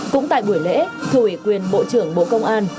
cũng tại buổi lễ thủy quyền bộ trưởng bộ công an